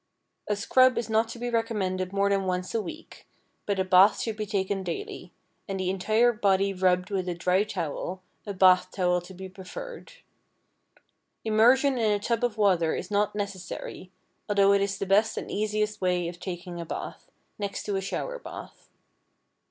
A scrub is not to be recommended more than once a week, but a bath should be taken daily, and the entire body rubbed with a dry towel, a bath towel to be preferred. Emersion in a tub of water is not necessary, although it is the best and easiest way of taking a bath, next to a shower bath.